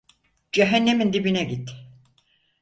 Cehennemin dibine git!